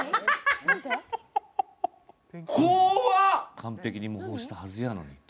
完璧に模倣したはずやのにと。